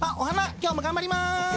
今日も頑張ります。